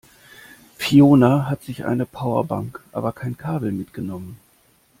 Fiona hat sich eine Powerbank, aber kein Kabel mitgenommen.